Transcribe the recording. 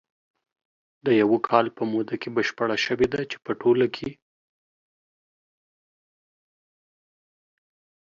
د یوه کال په موده کې بشپره شوې ده، چې په ټوله کې